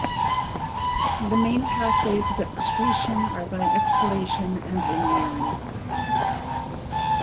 The main pathways of excretion are by exhalation and in the urine.